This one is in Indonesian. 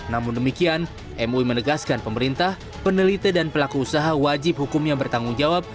namun demikian mui menegaskan pemerintah peneliti dan pelaku usaha wajib hukumnya bertanggung jawab